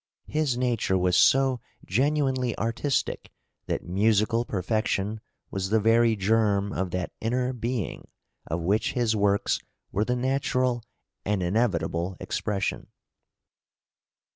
His nature was so genuinely artistic that musical perfection was the very germ of that inner being of which his works were the natural and inevitable expression.